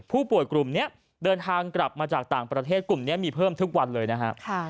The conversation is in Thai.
ผู้ป่วยกลุ่มนี้เดินทางกลับมาจากต่างประเทศกลุ่มนี้มีเพิ่มทุกวันเลยนะครับ